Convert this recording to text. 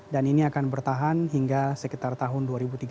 dan ini akan bertahan hingga sekitar tahun dua ribu tiga puluh delapan